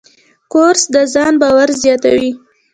کورس د ځان باور زیاتوي.